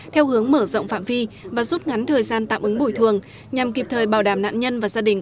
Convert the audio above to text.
theo hướng mở rộng phạm vi và rút ngắn thời gian tạm ứng bồi thường nhằm kịp thời bảo đảm nạn nhân và gia đình